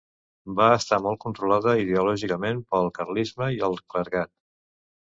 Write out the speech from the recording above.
Va estar molt controlada ideològicament pel carlisme i el clergat.